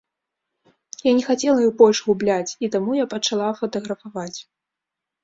Я не хацела іх больш губляць, і таму я пачала фатаграфаваць.